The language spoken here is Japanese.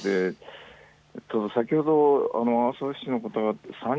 先ほど阿蘇市の方がさん